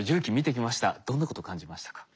どんなこと感じましたか？